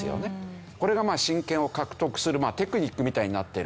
これが親権を獲得するテクニックみたいになっている。